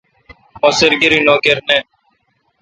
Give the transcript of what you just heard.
مہ سرکیری نوکر نہ۔